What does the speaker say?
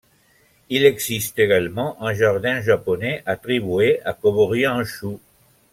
Il existe également un jardin japonais attribué à Kobori Enshū.